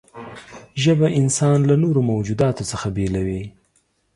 ژبه انسان له نورو موجوداتو څخه بېلوي.